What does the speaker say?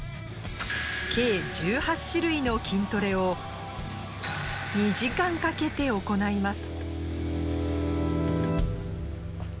計１８種類の筋トレを２時間かけて行います。